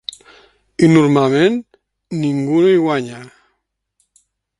I normalment ningú no hi guanya.